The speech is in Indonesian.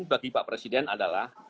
jadi pak presiden adalah